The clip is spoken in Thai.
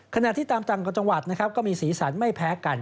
ขณะที่ตามต่างกับจังหวัดก็มีศีรษรไม่แพ้กัน